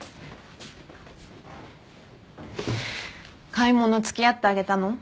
買い物付き合ってあげたの？